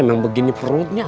memang begini perutnya